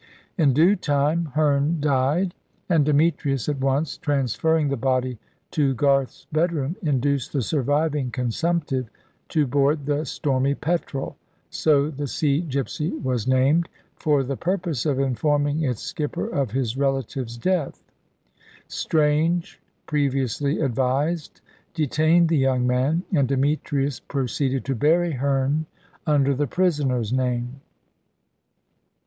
In due time Herne died, and Demetrius, at once transferring the body to Garth's bedroom, induced the surviving consumptive to board the Stormy Petrel so the sea gipsy was named for the purpose of informing its skipper of his relative's death. Strange, previously advised, detained the young man, and Demetrius proceeded to bury Herne under the prisoner's name.